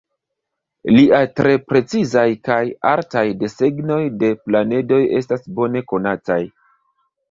Lia tre precizaj kaj artaj desegnoj de planedoj estas bone konataj.